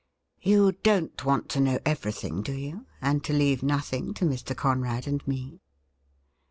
' You don't want to know every thing, do you, and to leave nothing to Mr. Conrad and me